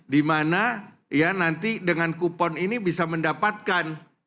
di mana ya nanti dengan kupon ini bisa mendapatkan